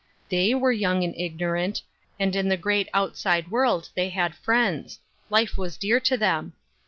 The2/ were young and ignorant, and in the great outside world they had friends ; life was dear to them.